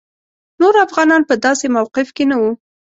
نور افغانان په داسې موقف کې نه وو.